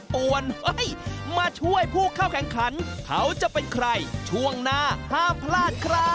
โปรดติดตามตอนต่อไป